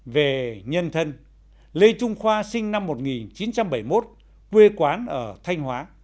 về nhân thân lê trung khoa sinh năm một nghìn chín trăm bảy mươi một quê quán ở thanh hóa